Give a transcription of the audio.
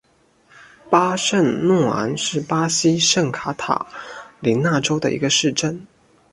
西圣若昂是巴西圣卡塔琳娜州的一个市镇。